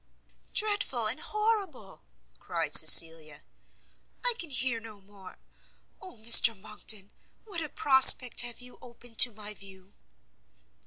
"Dreadful and horrible!" cried Cecilia; "I can hear no more, Oh, Mr Monckton, what a prospect have you opened to my view!"